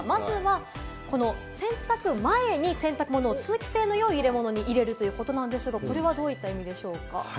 まずはこの洗濯前にする、洗濯物を通気性のいい入れ物に入れるということなんですが、これはどういった意味なんでしょうか？